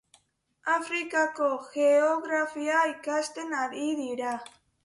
Afrikako geografia ikasten ari dira.